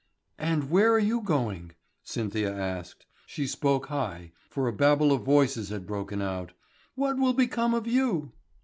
"And where are you going?" Cynthia asked. She spoke high, for a babel of voices had broken out. "What will become of you?"